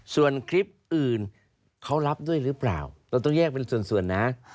ส่วนคลิปอื่นเขารับด้วยหรือเปล่าเราต้องแยกเป็นส่วนนะ